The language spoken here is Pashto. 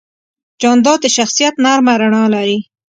جانداد د شخصیت نرمه رڼا لري.